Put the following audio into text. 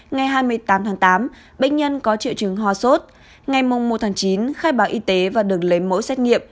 ngày hai mươi tám tháng tám bệnh nhân có triệu chứng hòa suốt ngày mùng một tháng chín khai báo y tế và được lấy mẫu xét nghiệm